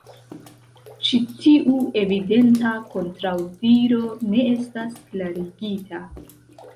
Ĉi tiu evidenta kontraŭdiro ne estas klarigita.